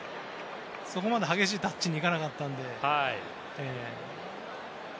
そこまで激しいタッチにいかなかったので。